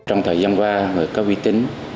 trong thời gian qua người có uy tín